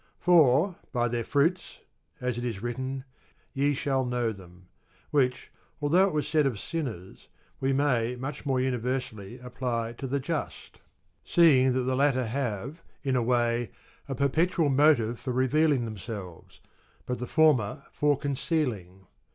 "For by their fruits" (as it is written) "ye shall know them," which although it was said of sinners, we may much more universally apply to the just, seeing that the latter have, in a way, a perpetual motive for revealing themselves, but the former for concealing.